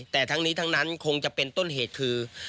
แต่ทั้งนี้ทั้งนั้นคงจะเป็นต้นเหตุคือ